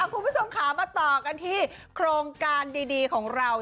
คุณผู้ชมค่ะมาต่อกันที่โครงการดีของเรา